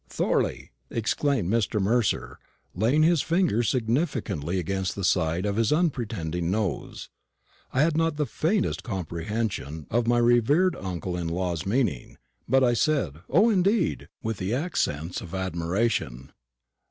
"Thorley!" exclaimed Mr. Mercer, laying his finger significantly against the side of his unpretending nose. I had not the faintest comprehension of my revered uncle in law's meaning; but I said, "O, indeed!" with the accents of admiration.